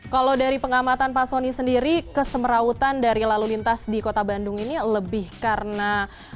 kalau dari pengamatan pak soni sendiri kesemerawutan dari lalu lintas di kota bandung ini lebih karena